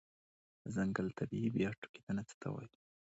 د ځنګل طبيعي بیا ټوکیدنه څه ته وایې؟